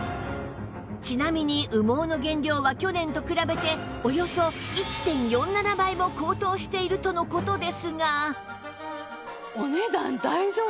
ちなみに羽毛の原料は去年と比べておよそ １．４７ 倍も高騰しているとの事ですが